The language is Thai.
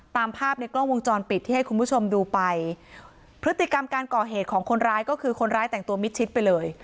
ตามภาพในกล้องวงจรปิดที่ให้คุณผู้ชมดูไปพฤติกรรมการก่อเหตุของคนร้ายก็คือคนร้ายแต่งตัวมิดชิดไปเลย